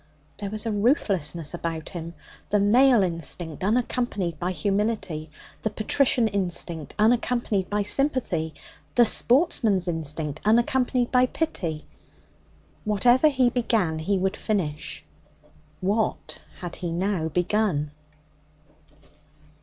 There was a ruthlessness about him the male instinct unaccompanied by humility, the patrician instinct unaccompanied by sympathy, the sportsman's instinct unaccompanied by pity. Whatever he began he would finish. What had he now begun?